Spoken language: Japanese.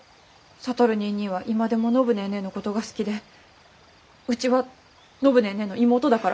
智ニーニーは今でも暢ネーネーのことが好きでうちは暢ネーネーの妹だから。